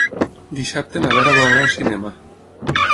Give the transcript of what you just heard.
Dissabte na Vera vol anar al cinema.